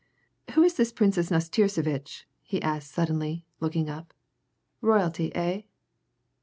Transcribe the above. "Who is this Princess Nastirsevitch?" he asked suddenly looking up. "Royalty, eh?"